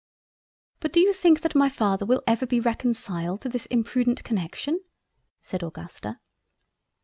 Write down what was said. "But do you think that my Father will ever be reconciled to this imprudent connection?" (said Augusta.)